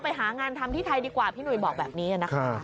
ไปหางานทำที่ไทยดีกว่าพี่หุยบอกแบบนี้นะคะ